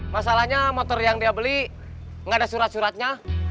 masalahnya motor yang dia beli nggak ada surat suratnya